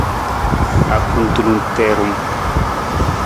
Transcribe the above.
Akutulung tiirung.